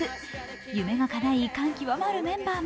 夢がかない、感極まるメンバーも。